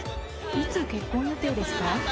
いつ結婚予定ですか？